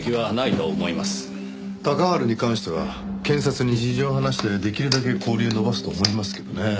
鷹春に関しては検察に事情を話してできるだけ勾留を延ばすと思いますけどね。